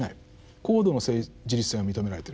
高度の自立性が認められてる。